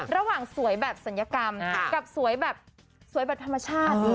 แล้วหวังสวยแบบศัลยกรรมกับสวยแบบศัลย์แบบธรรมชาติ